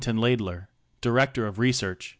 LAIDLER, Director of Research, L.